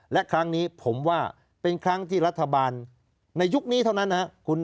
และครั้งนี้ผมว่าเป็นครั้งที่รัฐบาลในยุคนี้เท่านั้นนะครับ